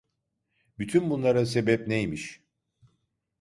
Bütün bunlara sebep neymiş?